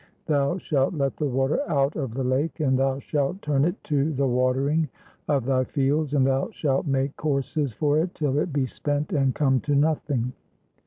Thou shalt let the water out of the lake, and thou shalt turn it to the watering of thy fields, and thou shalt make courses for it till it be spent and come to nothing."